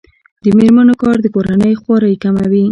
د میرمنو کار د کورنۍ خوارۍ کموي.